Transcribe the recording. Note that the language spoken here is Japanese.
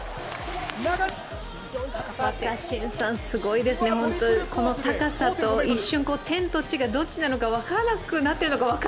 すごいですね、この高さと一瞬天と地がどっちになった分からない。